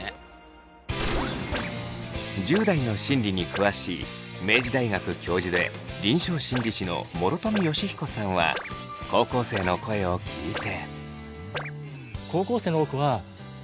１０代の心理に詳しい明治大学教授で臨床心理士の諸富祥彦さんは高校生の声を聞いて。